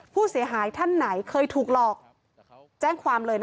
ผู้เสียหายท่านไหนเคยถูกหลอกแจ้งความเลยนะ